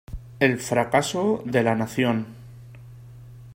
El fracaso de la nación.